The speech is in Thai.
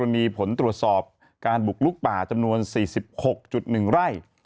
มีผลตรวจสอบการบุกลุกป่าจำนวน๔๖๑ไร่